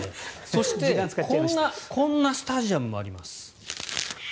そしてこんなスタジアムもあります。